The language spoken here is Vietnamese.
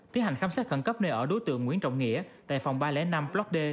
tiến hành khám sát khẩn cấp nơi ở đối tượng nguyễn trọng nghĩa tại phòng ba trăm linh năm block d